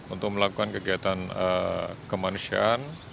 untuk melakukan kegiatan kemanusiaan